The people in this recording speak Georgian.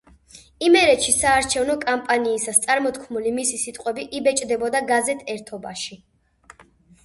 იმერეთში საარჩევნო კამპანიისას წარმოთქმული მისი სიტყვები იბეჭდებოდა გაზეთ „ერთობაში“.